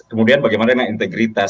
kemudian bagaimana dengan integritas